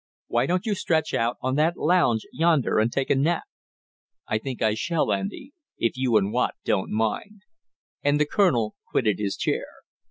"Why don't you stretch out on that lounge yonder and take a nap?" "I think I shall, Andy, if you and Watt don't mind." And the colonel quitted his chair.